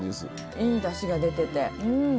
いい出汁が出てて。